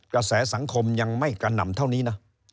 กระแสสังคมยังไม่กระหน่ำเท่านี้นะ